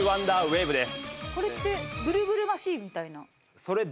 これってブルブルマシンみたいな？